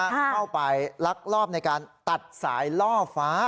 เข้าไปลักลอบในการตัดสายล่อฟ้า